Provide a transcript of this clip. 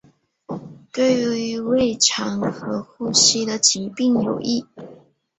对于胃肠和呼吸的疾病有益。